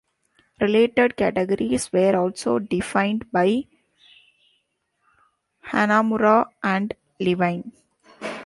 Related categories were also defined by Hanamura and Levine.